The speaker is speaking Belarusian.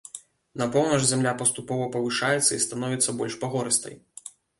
На поўнач зямля паступова павышаецца і становіцца больш пагорыстай.